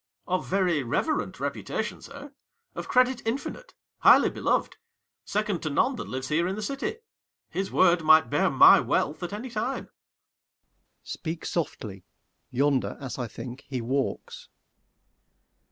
Ang. Of very reverent reputation, sir, 5 Of credit infinite, highly beloved, Second to none that lives here in the city: His word might bear my wealth at any time. Sec. Mer. Speak softly: yonder, as I think, he walks.